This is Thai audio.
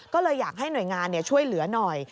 ก็เลยอยากให้หน่วยงานช่วยเหลือหน่อย